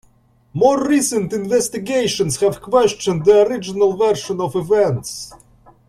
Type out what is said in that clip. More recent investigations have questioned the original version of events.